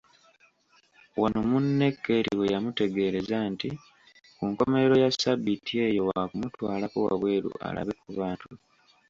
Wano munne Keeti weyamutegeereza nti ku nkomerero ya ssabbiiti eyo wa kumutwalako wabweru alabe ku bantu.